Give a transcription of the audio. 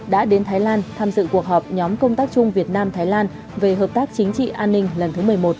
đã đến thái lan tham dự cuộc họp nhóm công tác chung việt nam thái lan về hợp tác chính trị an ninh lần thứ một mươi một